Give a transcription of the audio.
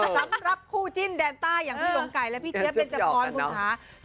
สำหรับคู่จิ้นเดนตาอย่างพี่หลวงไกรและพี่เจี๊ยบเป็นเจอร์พรค่ะ